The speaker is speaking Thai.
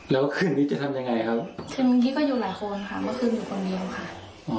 แล้วคืนนี้จะทำยังไงครับคืนเมื่อกี้ก็อยู่หลายคนค่ะเมื่อคืนอยู่คนเดียวค่ะ